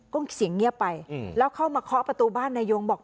ก็เสียงเงียบไปแล้วเข้ามาเคาะประตูบ้านนายงบอก